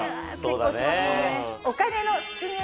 結構しますもんね。